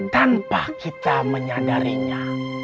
tanpa kita menyadarinya